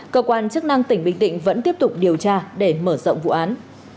cơ quan chức năng tỉnh bình định vẫn tiếp tục điều tra để mở rộng vụ án